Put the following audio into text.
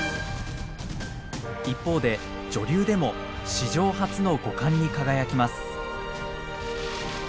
一方で女流でも史上初の五冠に輝きます。